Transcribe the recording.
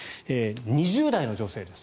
２０代の女性です。